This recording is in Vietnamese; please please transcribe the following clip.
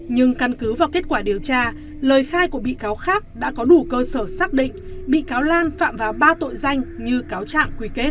nhưng căn cứ vào kết quả điều tra lời khai của bị cáo khác đã có đủ cơ sở xác định bị cáo lan phạm vào ba tội danh như cáo trạng quy kết